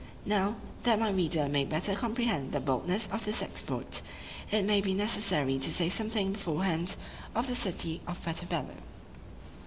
Now, that my reader may better comprehend the boldness of this exploit, it may be necessary to say something beforehand of the city of Puerto Bello.